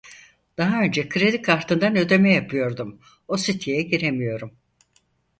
Daha önce kredi kartından ödeme yapıyordum o siteye giremiyorum